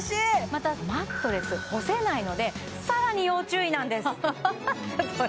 またマットレス干せないのでさらに要注意なんですはははは